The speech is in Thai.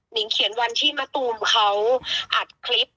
งเขียนวันที่มะตูมเขาอัดคลิป